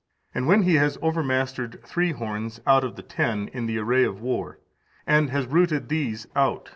And when he has overmastered three horns out of the ten in the array of war, and has rooted these out, viz.